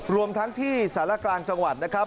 รวมทั้งที่สารกลางจังหวัดนะครับ